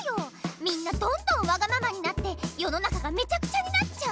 みんなどんどんわがままになって世の中がめちゃくちゃになっちゃう！